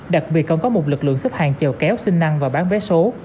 đặc biệt còn có một lực lượng xếp hàng chèo kéo sinh năng và bán vé số